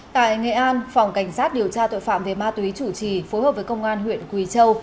tại nghệ an phòng cảnh sát điều tra tội phạm về ma túy chủ trì phối hợp với công an huyện quỳ châu